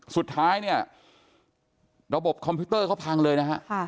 สุดท้ายระบบคอมพิวเตอร์เขาพังเลยนะครับ